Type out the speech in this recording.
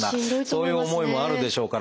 そういう思いもあるでしょうから。